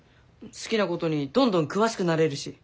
好きなことにどんどん詳しくなれるし。